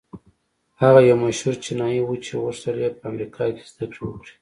هغه يو مشهور چينايي و چې غوښتل يې په امريکا کې زدهکړې وکړي.